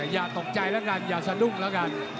อย่าตกใจแล้วกันอย่าสะดุ้งแล้วกัน